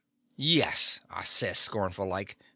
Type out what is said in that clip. "Yes," I says, scornful like.